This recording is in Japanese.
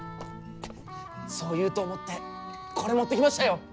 そう言うと思ってこれ持ってきましたよ。